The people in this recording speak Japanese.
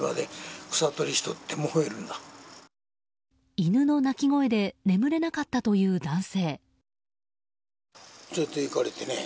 犬の鳴き声で眠れなかったという男性。